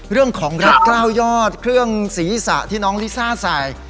เรื่องของรักกล้าวยอดเครื่องศีรษะที่น้องลิซ่าใส่